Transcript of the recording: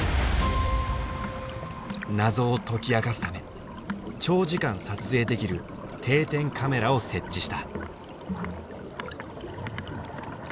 謎を解き明かすため長時間撮影できる定点カメラを設置した。